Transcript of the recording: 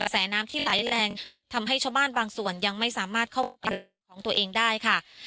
แสน้ำที่ไหลแรงทำให้ชาวบ้านบางส่วนยังไม่สามารถเข้ากับของตัวเองได้ค่ะ